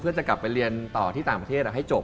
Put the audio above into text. เพื่อจะกลับไปเรียนต่อที่ต่างประเทศให้จบ